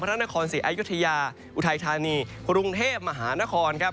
พระนครศรีอายุทยาอุทัยธานีกรุงเทพมหานครครับ